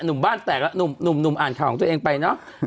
นุ่มบ้านแตกละนุ่มอ่านข่าวของตัวเองไปเนาะ